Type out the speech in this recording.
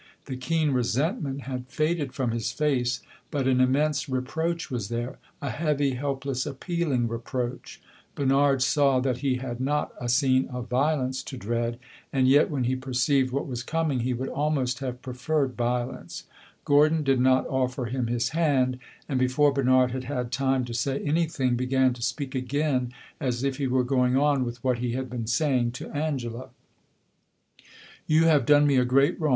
The keen resentment had faded from his face, but an immense reproach was there a heavy, helpless, appealing reproach. Bernard saw that he had not a scene of violence to dread and yet, when he perceived what was coming, he would almost have preferred violence. Gordon did not offer him his hand, and before Bernard had had time to say anything, began to speak again, as if he were going on with what he had been saying to Angela.